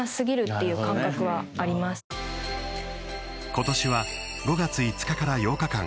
今年は５月５日から８日間